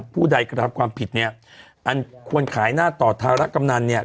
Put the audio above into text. ผู้ใดกระทำความผิดเนี่ยอันควรขายหน้าต่อธารกำนันเนี่ย